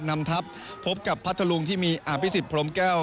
นำทัพพบกับพัทธลุงที่มีอภิษฎพรมแก้ว